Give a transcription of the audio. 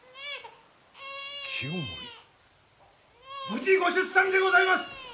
・無事ご出産でございます！